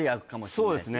そうですね